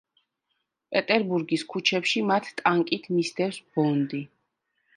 პეტერბურგის ქუჩებში მათ ტანკით მისდევს ბონდი.